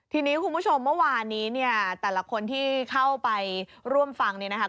ทีนี้คุณผู้ชมเมื่อวานนี้เนี่ยแต่ละคนที่เข้าไปร่วมฟังเนี่ยนะครับ